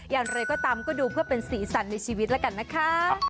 อย่างไรก็ตามก็ดูเพื่อเป็นสีสันในชีวิตแล้วกันนะคะ